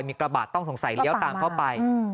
มีกระบาดต้องสงสัยเลี้ยวตามเข้าไป